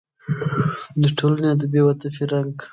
د ټولنې ادبي او عاطفي رنګ